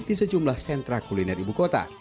di sejumlah sentra kuliner ibu kota